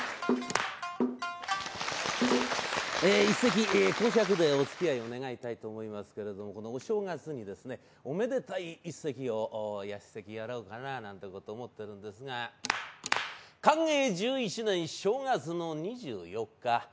一席講釈でおつきあいお願いしたいと思いますけれどこのお正月にですねおめでたい一席をやろうかななんてことを思っているんですが寛永１１年正月の２４日